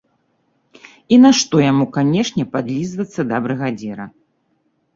І нашто яму канечне падлізвацца да брыгадзіра?